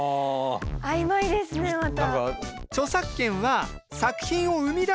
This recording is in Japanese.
曖昧ですねまた。